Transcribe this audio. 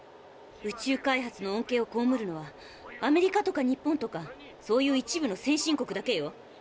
宇宙開発の恩けいをこうむるのはアメリカとか日本とかそういう一部の先進国だけよ。